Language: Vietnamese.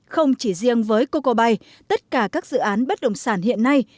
không chỉ riêng với coco bay tất cả các dự án bất động sản hiện nay